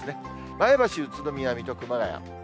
前橋、宇都宮、水戸、熊谷。